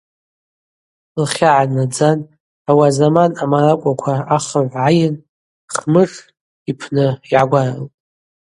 Лхьагӏа надзан ауи азаман амаракӏваква ахыгӏв гӏайын Хмыш йпны йгӏагваралтӏ.